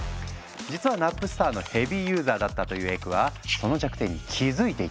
実はナップスターのヘビーユーザーだったというエクはその弱点に気付いていたんだ。